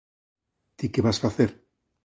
Ti que vas facer?